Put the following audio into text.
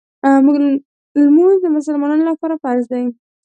لمونځ د مسلمانانو لپاره فرض دی.